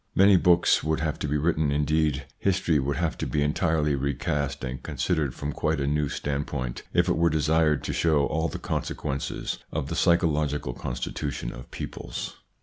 Many books would have to be written, indeed history would have to be entirely recast and con sidered from quite a new standpoint, if it were desired to show all the consequences of the psycho logical constitution of peoples.